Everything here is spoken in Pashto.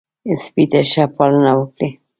سپي ته ښه پالنه وکړئ.